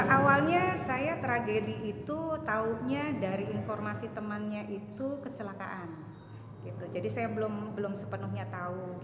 awalnya saya tragedi itu tahunya dari informasi temannya itu kecelakaan jadi saya belum sepenuhnya tahu